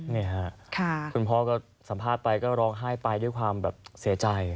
นี่ค่ะคุณพ่อก็สัมภาษณ์ไปก็ร้องไห้ไปด้วยความแบบเสียใจ